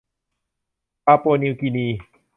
ปาปัวนิวกีนี